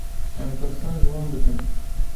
Em pirsan ji wan dikin.